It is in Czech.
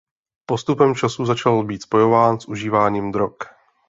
Postupem času začal být spojován s užíváním drog.